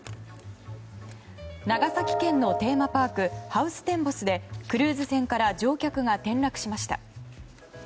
長崎県のテーマパークハウステンボスでクルーズ船から乗客が転落しました。